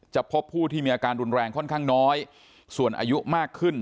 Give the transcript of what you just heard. พบผู้ที่มีอาการรุนแรงค่อนข้างน้อยส่วนอายุมากขึ้น